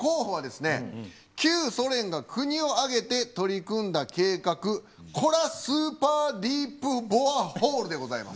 旧ソ連が国を挙げて取り組んだ計画「コラ・スーパーディープ・ボアホール」でございます。